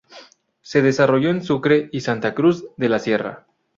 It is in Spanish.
Se desarrolló en Sucre y Santa Cruz de la Sierra.